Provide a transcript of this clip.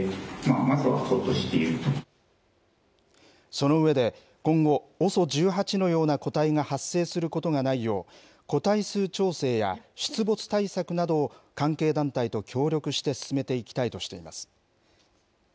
その上で、今後、ＯＳＯ１８のような個体が発生することがないよう、個体数調整や出没対策などを関係団体と協力して進めていきたいとしています。